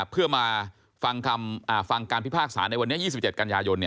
เพื่อมาฟังการพิพากษาในวันนี้๒๗กันยายน